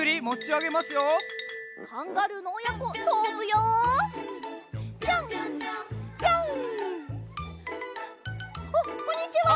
あっこんにちは！